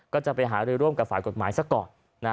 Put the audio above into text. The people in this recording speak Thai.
ก็จะไปหารือร่วมกับฝ่ายกฎหมายซะก่อน